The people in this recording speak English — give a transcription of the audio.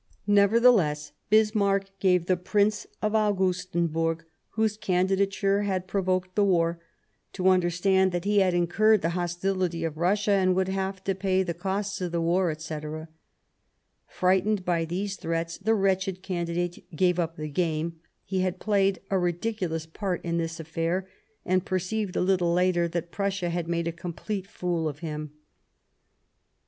Nevertheless, Bismarck gave the Prince of Augustenburg, whose candidature had provoked the war, to understand that he had incurred the hos tility of Russia, and would have to pay the costs of the war, etc. Frightened by these threats, the wretched candidate gave up the game ; he had played a ridiculous part in this affair, and perceived a little later that Prussia had m^de a complete fool of him.